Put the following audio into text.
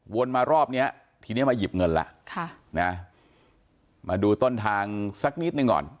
มารอบเนี้ยทีนี้มาหยิบเงินแล้วมาดูต้นทางสักนิดหนึ่งก่อน